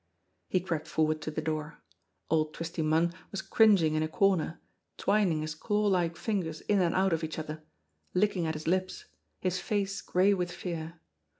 He crept forward to the door. Old Twisty Munn was cringing in a corner, twining his claw like fingers in and out of each other, licking at his lips, his face gray with fear.